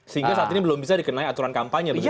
sehingga saat ini belum bisa dikenai aturan kampanye begitu ya